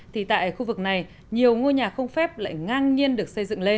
thì tại khu vực này nhiều ngôi nhà không phép lại ngang nhiên được xây dựng lên